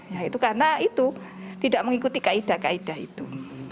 ya itu karena itu tidak mengikuti kaedah kaedah itu